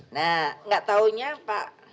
nah gak taunya pak